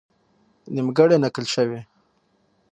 نیمګړې نقل شوې.